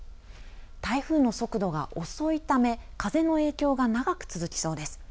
台風の速度が遅いため風の影響が長く続きそうです。